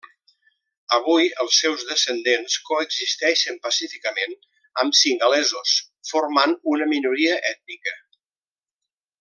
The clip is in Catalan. Avui els seus descendents coexisteixen pacíficament amb singalesos, formant una minoria ètnica.